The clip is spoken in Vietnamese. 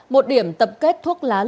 một điểm tập kết thuộc về công ty mgi